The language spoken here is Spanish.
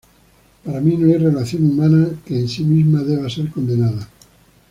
Para mí no hay relación humana que en sí misma deba ser condenada.